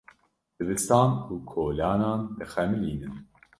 Dibistan û kolanan dixemilînin.